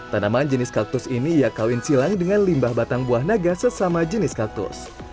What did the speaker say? tanaman jenis kaktus ini ia kawin silang dengan limbah batang buah naga sesama jenis kaktus